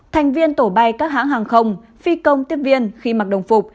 thành viên tổ bay các hãng hàng không phi công tiếp viên khi mặc đồng phục